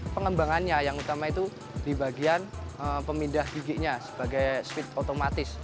pengembangannya yang utama itu di bagian pemindah giginya sebagai speed otomatis